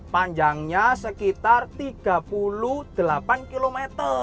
panjangnya sekitar tiga puluh delapan km